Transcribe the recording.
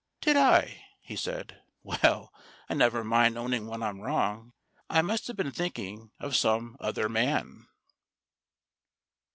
"Did I?" he said. "Well, I never mind owning when I'm wrong. I must have been thinking of some other man."